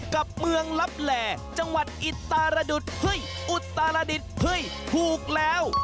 กับเมืองลับแหล่จังหวัดอิตารดุษเฮ้ยอุตรดิษฐ์เฮ้ยถูกแล้ว